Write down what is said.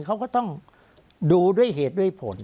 เขาก็ต้องดูด้วยเหตุด้วยผล